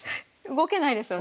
動けないですよね。